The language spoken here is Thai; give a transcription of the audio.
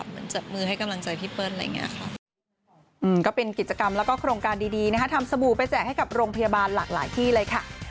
ก็เข้าใจว่ามันปัจจุบันท์แ